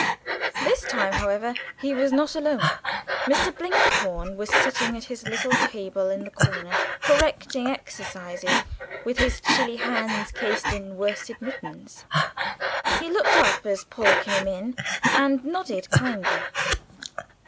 This time, however, he was not alone. Mr. Blinkhorn was sitting at his little table in the corner, correcting exercises, with his chilly hands cased in worsted mittens. He looked up as Paul came in, and nodded kindly.